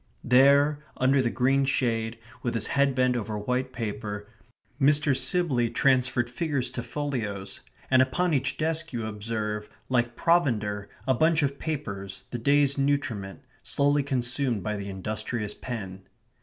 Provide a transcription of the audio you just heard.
There, under the green shade, with his head bent over white paper, Mr. Sibley transferred figures to folios, and upon each desk you observe, like provender, a bunch of papers, the day's nutriment, slowly consumed by the industrious pen.